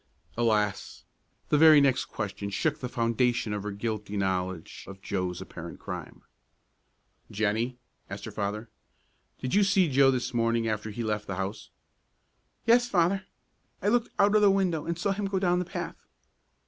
Alas! The very next question shook the foundation of her guilty knowledge of Joe's apparent crime. "Jennie," asked her father, "did you see Joe this morning after he left the house?" "Yes, Father; I looked out o' the window, an' saw him go down the path."